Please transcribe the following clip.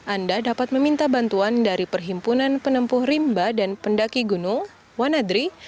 anda dapat meminta bantuan dari perhimpunan penempuh rimba dan pendaki gunung wanadri